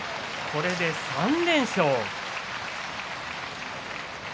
これで３連勝。